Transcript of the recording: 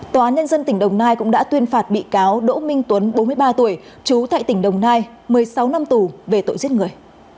tòa án nhân dân tỉnh đồng nai cũng đã tuyên phạt bị cáo đỗ minh tuấn bốn mươi ba tuổi trú tại tỉnh đồng nai một mươi sáu năm tù về tội giết người